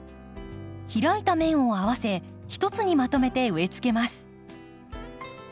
開いた面を合わせ一つにまとめて植えつけます。